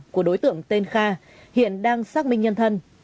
của đối tượng tên kha hiện đang xác minh nhân thân